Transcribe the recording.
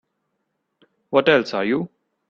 What else are you?